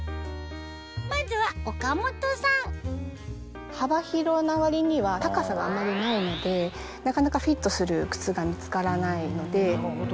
まずは岡本さん幅広な割には高さがあまりないのでなかなかフィットする靴が見つからないので。